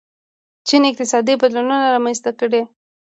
چین اقتصادي بدلونونه رامنځته کړي.